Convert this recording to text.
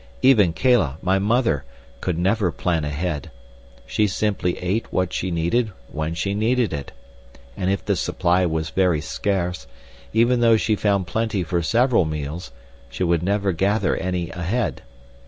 Even Kala, my mother, could never plan ahead. She simply ate what she needed when she needed it, and if the supply was very scarce, even though she found plenty for several meals, she would never gather any ahead.